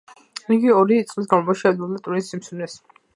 იგი ორი წლის განმავლობაში ებრძოდა ტვინის სიმსივნეს.